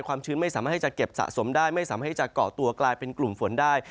ชื้นไม่สามารถให้จะเก็บสะสมได้ไม่สามารถให้จะเกาะตัวกลายเป็นกลุ่มฝนได้